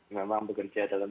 memang bekerja dalam